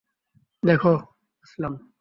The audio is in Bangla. দেখো, আসলাম।